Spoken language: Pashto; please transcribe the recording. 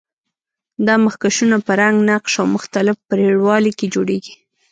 دا مخکشونه په رنګ، نقش او مختلف پرېړوالي کې جوړیږي.